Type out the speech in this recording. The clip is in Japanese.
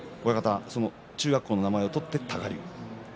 中学校の名前を取って多賀竜。